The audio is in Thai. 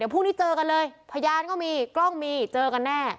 พรุ่งนี้เจอกันเลยพยานก็มีกล้องมีเจอกันแน่